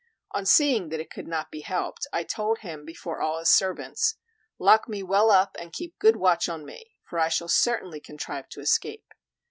On seeing that it could not be helped, I told him before all his servants: "Lock me well up, and keep good watch on me; for I shall certainly contrive to escape."